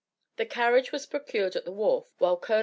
The carriage was procured at the wharf, while Col.